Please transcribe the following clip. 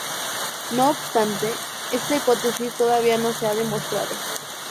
No obstante, esta hipótesis todavía no se ha demostrado.